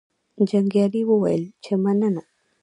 جنګیالي وویل چې مننه.